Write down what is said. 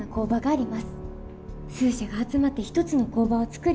数社が集まって一つの工場を作り